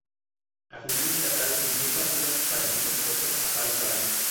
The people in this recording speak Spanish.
A finales de la tarde, envió partidas para el mismo propósito a Palo Caballo.